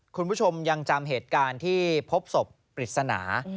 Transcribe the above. คุณผู้ชมยังจำเหตุการณ์ที่พบศพปริศนา